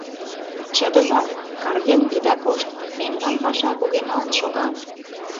Чытыза, карген ида кошт, мемнан паша кугемалт шога.